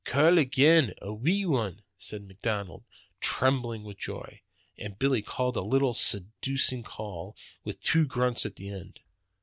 'Call agen, a wee one,' says McDonald, trembling with joy. And Billy called a little seducing call, with two grunts at the end.